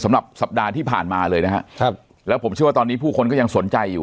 สำหรับสัปดาห์ที่ผ่านมาเลยนะครับแล้วผมเชื่อว่าตอนนี้ผู้คนก็ยังสนใจอยู่